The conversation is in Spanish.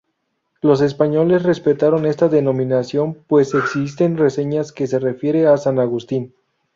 Los españoles respetaron esta denominación pues existen reseñas que se refiere a San Agustín.